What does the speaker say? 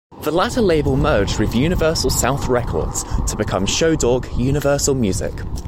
The latter label merged with Universal South Records to become Show Dog-Universal Music.